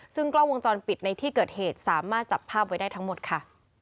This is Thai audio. ซึ่งกล้องวงจรปิดในที่เกิดเหตุสามารถจับภาพไว้ได้ทั้งหมดค่ะ